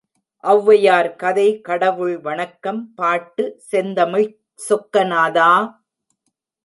ஒளவையார் கதை கடவுள் வணக்கம் பாட்டு செந்தமிழ்ச் சொக்கநாதா!